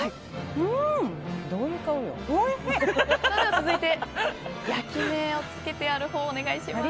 続いて焼き目をつけてあるほうお願いします。